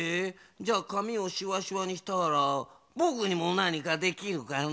じゃあかみをしわしわにしたらぼくにもなにかできるかな？